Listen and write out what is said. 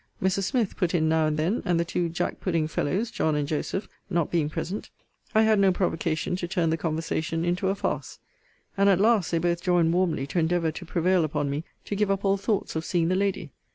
Mrs. Smith put in now and then; and the two Jack pudding fellows, John and Joseph, not being present, I had no provocation to turn the conversation into a farce; and, at last, they both joined warmly to endeavour to prevail upon me to give up all thoughts of seeing the lady.